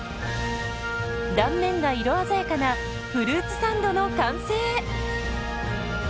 断面が色鮮やかなフルーツサンドの完成。